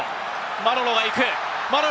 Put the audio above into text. マロロが行く！